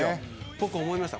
僕は思いました